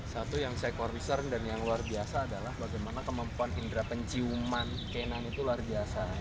satu yang saya confirm dan yang luar biasa adalah bagaimana kemampuan indera penciuman k sembilan itu luar biasa